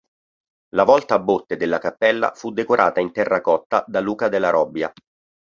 La volta a botte della Cappella fu decorata in terracotta da Luca della Robbia.